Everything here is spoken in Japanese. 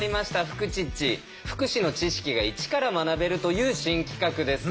福祉の知識がイチから学べるという新企画です。